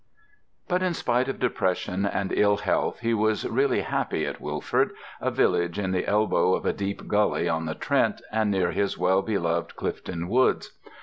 But in spite of depression and ill health, he was really happy at Wilford, a village in the elbow of a deep gully on the Trent, and near his well beloved Clifton Woods.